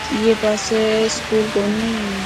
اڻي پاسي اسڪول ڪوني هي.